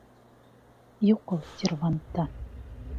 Юҡ ул сервантта.